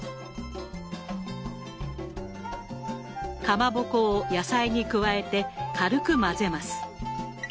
かまぼこを野菜に加えて軽く混ぜます。